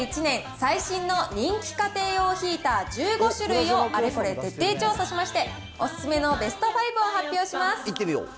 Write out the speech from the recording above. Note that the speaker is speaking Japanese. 最新の人気家庭用ヒーター１５種類をあれこれ徹底調査しまして、お勧めのベスト５を発表します。